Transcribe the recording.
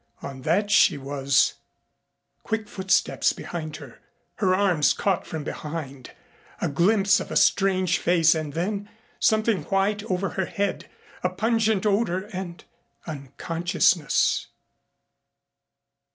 On that she was Quick footsteps behind her her arms caught from behind a glimpse of a strange face and then something white over her head a pungent odor and unconsciousness.